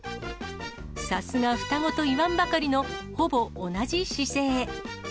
さすが双子と言わんばかりのほぼ同じ姿勢。